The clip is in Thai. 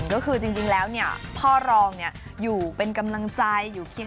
ก็คือจริงแล้วเนี่ยพ่อรองเนี่ยอยู่เป็นกำลังใจ